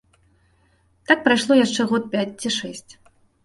Так прайшло яшчэ год пяць ці шэсць.